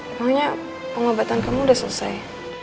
emangnya pengobatan kamu sudah selesai